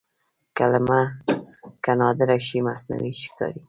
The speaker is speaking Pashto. کلمه که نادره شي مصنوعي ښکاري.